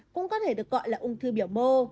cũng có thể được gọi là ung thư biểu mô